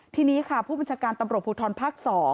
ทีนี้ค่ะผู้บัญชาการตำรวจภูทรภาค๒